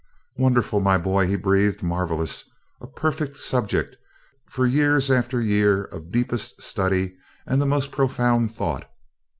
"Wonderful, my boy!" he breathed. "Marvelous! A perfect subject for years after year of deepest study and the most profound thought.